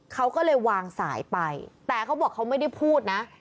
เขาก็เลยวางสายไปแต่เขาบอกเขาไม่ได้พูดนะ